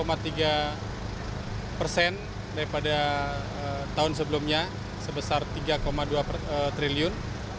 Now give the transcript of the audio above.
meningkat sekitar sepuluh tiga persen daripada tahun sebelumnya sebesar tiga dua triliun